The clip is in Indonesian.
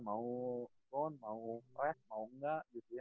mau run mau press mau enggak gitu ya